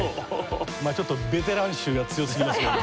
まあちょっとベテラン臭が強すぎますけど。